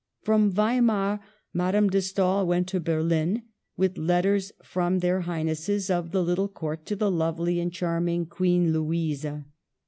From Weimar, Madame de Stael went to Ber lin, with letters from their highnesses of the little court to the lovely and charming Queen Louise.